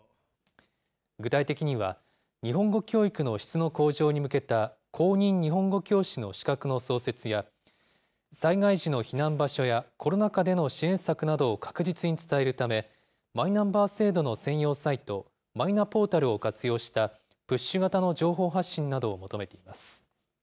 具体的には、日本語教育の質の向上に向けた公認日本語教師の資格の創設や、災害時の避難場所やコロナ禍での支援策を確実に伝えるため、マイナンバー制度の専用サイト、マイナポータルを活用したプッシュ型の情報発信などを求めています。